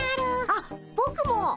あっぼくもっ。